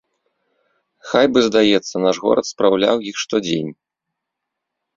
Хай бы, здаецца, наш горад спраўляў іх штодзень.